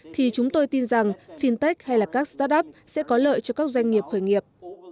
thì chúng tôi tin rằng fintech hay là các start up sẽ có lợi cho các doanh nghiệp khởi nghiệp